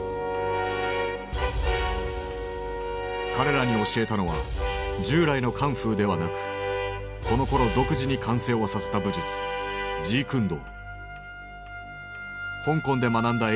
彼らに教えたのは従来のカンフーではなくこのころ独自に完成をさせた武術香港で学んだ詠